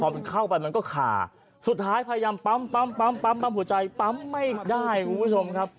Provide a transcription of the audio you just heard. มันเข้าไปมันก็ขาสุดท้ายพยายามปั๊มปั๊มหัวใจปั๊มไม่ได้คุณผู้ชมครับ